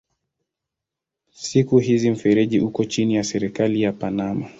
Siku hizi mfereji uko chini ya serikali ya Panama.